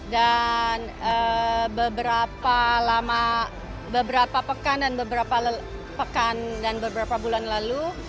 dan beberapa pekan dan beberapa bulan lalu